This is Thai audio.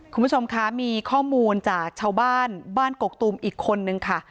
ขอบคุณว่าชมขามีข้อมูลจากชาวบ้านกรกตูมอีกคนนึงค่ะ